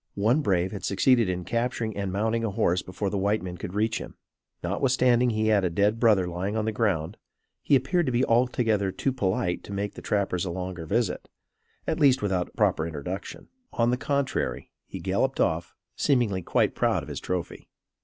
One brave had succeeded in capturing and mounting a horse before the white men could reach him. Notwithstanding he had a dead brother lying on the ground, he appeared to be altogether too polite to make the trappers a longer visit; at least, without a proper introduction. On the contrary, he galloped off; seemingly, quite proud of his trophy.